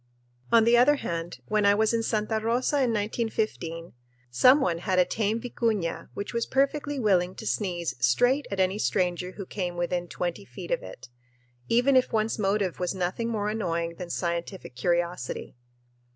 On the other hand, when I was in Santa Rosa in 1915 some one had a tame vicuña which was perfectly willing to sneeze straight at any stranger who came within twenty feet of it, even if one's motive was nothing more annoying than scientific curiosity.